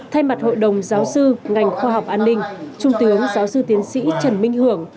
thay mặt hội đồng giáo sư ngành khoa học an ninh trung tướng giáo sư tiến sĩ trần minh hưởng